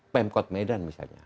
pemkot medan misalnya